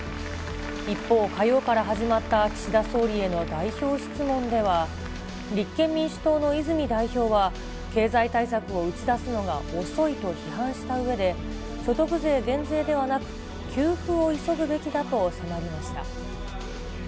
一方、火曜から始まった岸田総理への代表質問では、立憲民主党の泉代表は、経済対策を打ち出すのが遅いと批判したうえで、所得税減税ではなく、給付を急ぐべきだと迫りました。